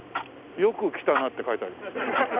「よく来たな」って書いてあります。